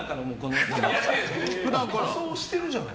仮装してるじゃない。